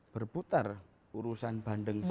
berputar urusan bandeng saja